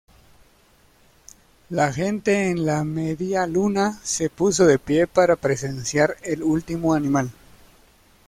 La gente en la medialuna se puso de pie para presenciar el último animal.